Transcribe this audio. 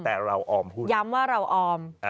แต่เราออมพูดย้ำว่าเราออม